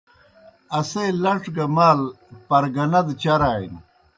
اسے لڇ گہ مال پرگنہ دہ چرَانیْ۔